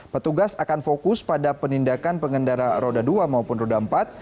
petugas akan fokus pada penindakan pengendara roda dua maupun roda empat